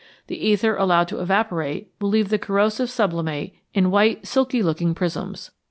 The ether allowed to evaporate will leave the corrosive sublimate in white silky looking prisms.